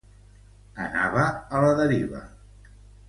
Anava a la deriva.